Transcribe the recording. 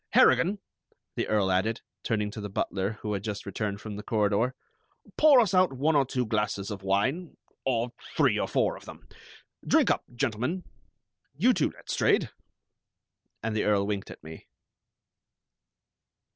Harrigan," the Earl added, turning to the butler, who had just returned from the corridor, "pour us out one or two glasses of wine, or three or four of them. Drink up, gentlemen, you, too, Letstrayed." And the Earl winked at me.